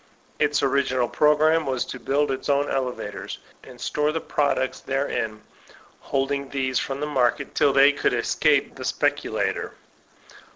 Its original program was to build its own elevators, and store the products therein, holding these from the market till they could escape the specula tor.